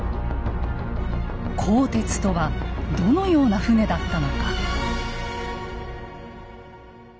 「甲鉄」とはどのような船だったのか。